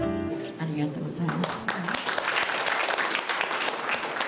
ありがとうございます。